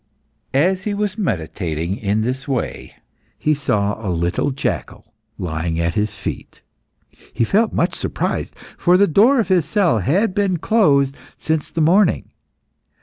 As he was meditating in this way, he saw a little jackal lying at his feet. He felt much surprised, for the door of his cell had been closed since the morning.